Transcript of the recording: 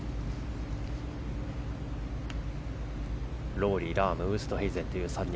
ロウリー、ラームウーストヘイゼンという３人。